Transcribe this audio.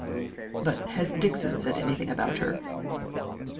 "But has Dixon said anything about her?"